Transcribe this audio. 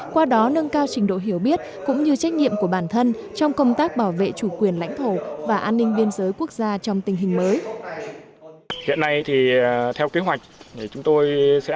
qua đó nâng cao trình độ hiểu biết cũng như trách nhiệm của bản thân trong công tác bảo vệ chủ quyền lãnh thổ và an ninh biên giới quốc gia trong tình hình mới